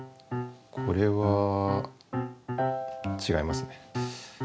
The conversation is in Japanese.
これはちがいますね。